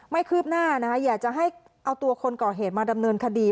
คืบหน้านะคะอยากจะให้เอาตัวคนก่อเหตุมาดำเนินคดี